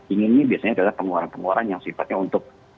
ingin ini biasanya adalah pengeluaran pengeluaran yang sifatnya untuk